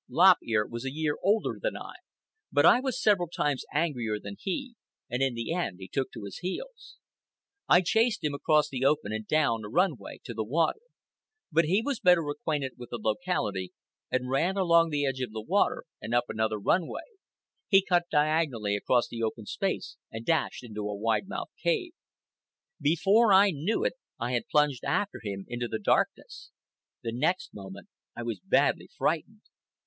Lop Ear was a year older than I, but I was several times angrier than he, and in the end he took to his heels. I chased him across the open and down a run way to the river. But he was better acquainted with the locality and ran along the edge of the water and up another run way. He cut diagonally across the open space and dashed into a wide mouthed cave. Before I knew it, I had plunged after him into the darkness. The next moment I was badly frightened.